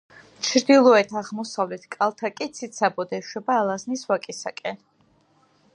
ჩრდილოეთ-აღმოსავლეთ კალთა კი ციცაბოდ ეშვება ალაზნის ვაკისაკენ.